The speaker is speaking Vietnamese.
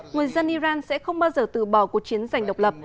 người dân iran sẽ không bao giờ từ bỏ cuộc chiến giành độc lập